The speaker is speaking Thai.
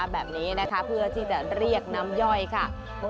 แบบนี้นะคะเพื่อที่จะเรียกน้ำย่อยค่ะ